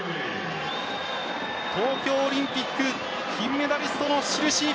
東京オリンピック金メダリストの印。